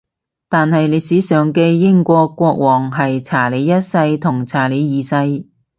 但係歷史上嘅英國國王係查理一世同查理二世